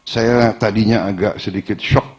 saya tadinya agak sedikit shock